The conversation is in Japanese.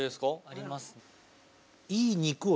あります。